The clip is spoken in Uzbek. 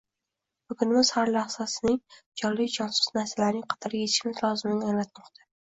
Bugunimiz har lahzaning, jonli, jonsiz narsalarning qadriga yetishimiz lozimligini anglatmoqda.